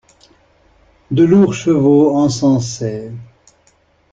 De lourds chevaux encensaient.